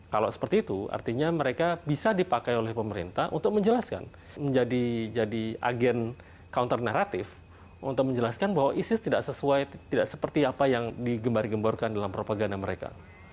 kalau seperti itu artinya mereka bisa dipakai oleh pemerintah untuk menjelaskan menjadi agen counter naratif untuk menjelaskan bahwa isis tidak sesuai tidak seperti apa yang digembar gemborkan dalam propaganda mereka